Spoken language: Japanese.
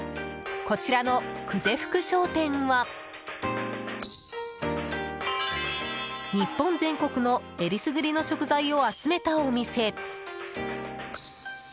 こちらの久世福商店は日本全国の選りすぐりの食材を集めたお店。